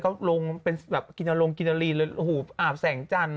ก็ลงเป็นลงกินรีเลยหูอาบแสงจันทร์